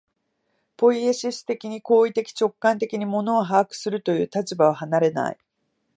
ポイエシス的に、行為的直観的に物を把握するという立場を離れない。